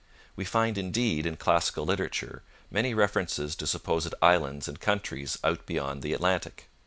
We find, indeed, in classical literature many references to supposed islands and countries out beyond the Atlantic.